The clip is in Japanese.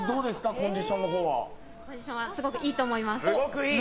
コンディションはすごくいいと思います。